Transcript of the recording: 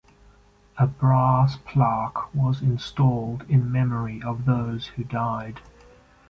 A brass plaque was installed in memory of those who died.